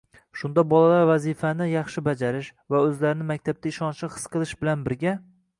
Shunda bolalar vazifani yaxshi bajarish va o‘zlarini maktabda ishonchli his qilish bilan birga